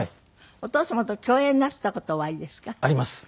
お父様と共演なすった事はおありですか？